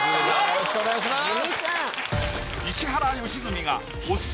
よろしくお願いします